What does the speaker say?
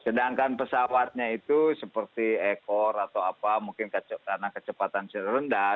sedangkan pesawatnya itu seperti ekor atau apa mungkin karena kecepatan serendah